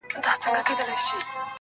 • نور دي نو شېخاني كيسې نه كوي.